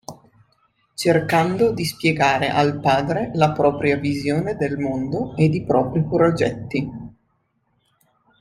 Cercando di spiegare al padre la propria visione del mondo, ed i propri progetti.